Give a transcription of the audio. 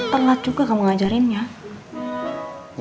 telat juga kamu ngajarinnya